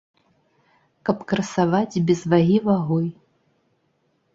Каб красаваць без вагі вагой.